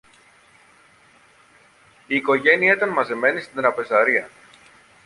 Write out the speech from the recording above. Η οικογένεια ήταν μαζεμένη στην τραπεζαρία